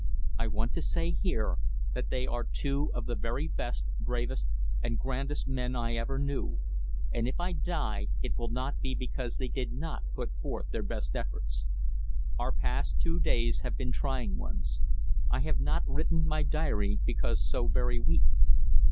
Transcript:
I want to say here that they are two of the very best, bravest and grandest men I ever knew, and if I die it will not be because they did not put forth their best efforts. Our past two days have been trying ones. I have not written my diary because so very weak.